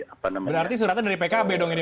apa namanya berarti suratnya dari pkb dong ini